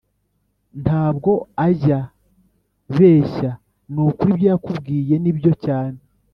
Ntabwo ajya beshya nukuri ibyo yakubwiye nibyo cyane